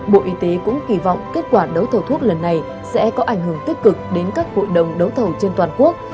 bộ y tế cũng kỳ vọng kết quả đấu thầu thuốc lần này sẽ có ảnh hưởng tích cực đến các hội đồng đấu thầu trên toàn quốc